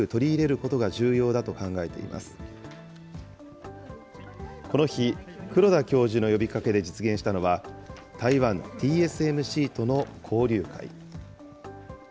この日、黒田教授の呼びかけで実現したのは、台湾・ＴＳＭＣとの交流会。